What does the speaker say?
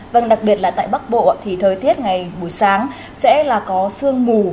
vâng đặc biệt là tại bắc bộ thì thời tiết ngày buổi sáng sẽ là có sương mù